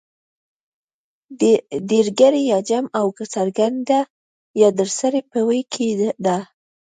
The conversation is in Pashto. ډېرگړې يا جمع او څرگنده يا د سړي په ویي کې ده